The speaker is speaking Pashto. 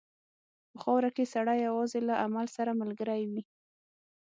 په خاوره کې سړی یوازې له عمل سره ملګری وي.